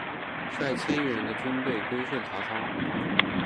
率千余人的军队归顺曹操。